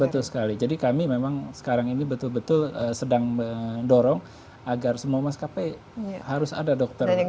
betul sekali jadi kami memang sekarang ini betul betul sedang mendorong agar semua maskapai harus ada dokter